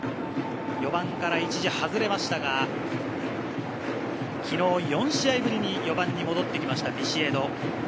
４番から一時外れましたが、昨日４試合ぶりに４番に戻ってきました、ビシエド。